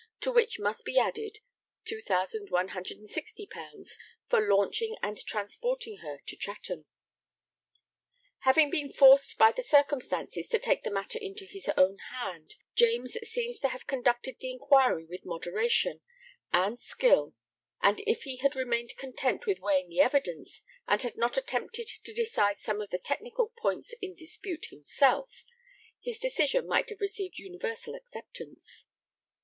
_ for launching and transporting her to Chatham. [Sidenote: The Inquiry before James at Woolwich.] Having been forced by the circumstances to take the matter into his own hand, James seems to have conducted the inquiry with moderation and skill, and if he had remained content with weighing the evidence, and had not attempted to decide some of the technical points in dispute himself, his decision might have received universal acceptance.